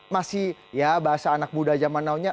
masih ya bahasa anak muda zaman awalnya